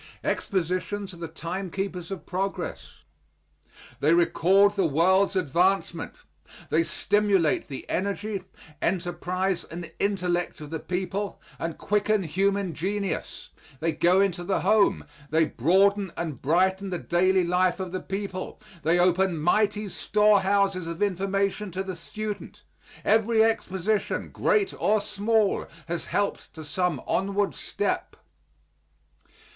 Expositions are the timekeepers of progress. They record the world's advancement. They stimulate the energy, enterprise and intellect of the people, and quicken human genius. They go into the home. They broaden and brighten the daily life of the people. They open mighty storehouses of information to the student. Every exposition, great or small, has helped to some onward step.